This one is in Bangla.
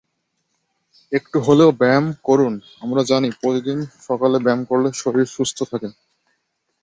একটু হলেও ব্যায়াম করুনআমরা জানি, প্রতিদিন সকালে ব্যায়াম করলে শরীর সুস্থ থাকে।